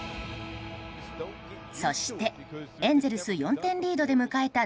そして、エンゼルス４点リードで迎えた